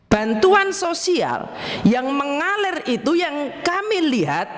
bantuan sosial yang mengalir itu yang kami lihat